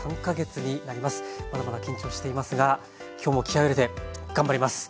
まだまだ緊張していますが今日も気合いを入れて頑張ります。